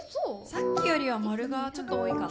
さっきよりは〇がちょっと多いかな。